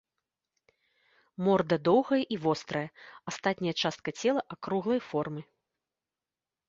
Морда доўгая і вострая, астатняя частка цела акруглай формы.